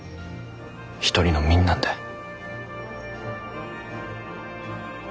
一人の民なんだ。